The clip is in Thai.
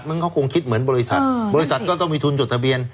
เขาคงคิดเหมือนบริษัทบริษัทก็ต้องมีทุนจดทะเบียน